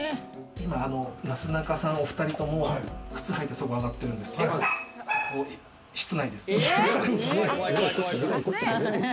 今、なすなかさんお２人とも靴入ってそこ上がってるんですけれど、そこ室内です。